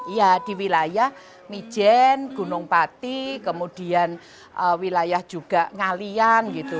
ya di wilayah mijen gunung pati kemudian wilayah juga ngalian gitu